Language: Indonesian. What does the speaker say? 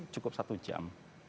cukup satu jam